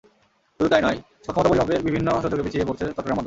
শুধু তা-ই নয়, সক্ষমতা পরিমাপের বিভিন্ন সূচকে পিছিয়ে পড়ছে চট্টগ্রাম বন্দর।